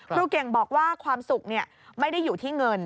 ครูเก่งบอกว่าความสุขไม่ได้อยู่ที่เงิน